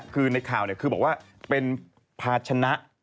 คือในข่าวคือบอกว่าเป็นภาชนะ